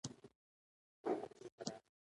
هغوی یوځای د خوښ کوڅه له لارې سفر پیل کړ.